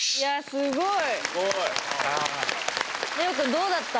すごい。